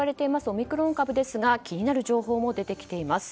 オミクロン株ですが気になる情報も出てきています。